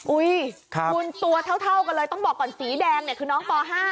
คุณตัวเท่ากันเลยต้องบอกก่อนสีแดงเนี่ยคือน้องป๕